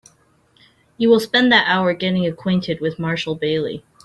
You will spend that hour getting acquainted with Marshall Bailey.